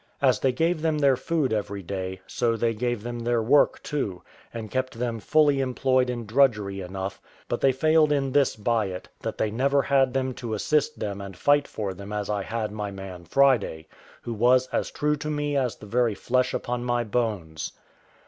As they gave them their food every day, so they gave them their work too, and kept them fully employed in drudgery enough; but they failed in this by it, that they never had them to assist them and fight for them as I had my man Friday, who was as true to me as the very flesh upon my bones.